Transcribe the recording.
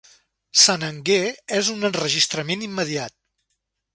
"St. Anger" és un enregistrament immediat.